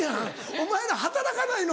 お前ら働かないの？